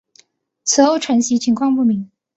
此后承袭情况不明。